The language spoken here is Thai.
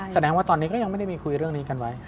แสดงว่าตอนนี้ก็ยังไม่ได้มีคุยเรื่องนี้กันไว้